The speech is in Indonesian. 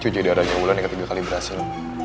cuci darahnya wulan yang ketiga kali berhasil